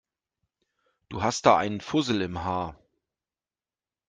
Du hast da einen Fussel im Haar.